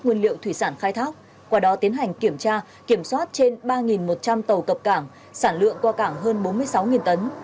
nguyên liệu thủy sản khai thác qua đó tiến hành kiểm tra kiểm soát trên ba một trăm linh tàu cập cảng sản lượng qua cảng hơn bốn mươi sáu tấn